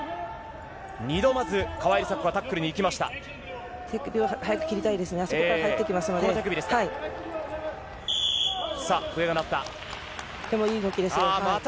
２度まず、川井梨紗子がタックルにいきました。